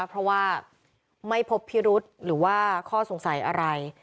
เพราะว่าไม่พบพิรุษหรือว่าข้อสงสัยอะไร